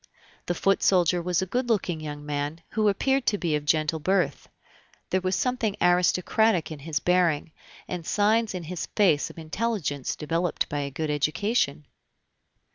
The foot soldier was a good looking young man, who appeared to be of gentle birth. There was something aristocratic in his bearing, and signs in his face of intelligence developed by a good education.